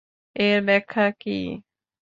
এর ব্যাখ্যা কী?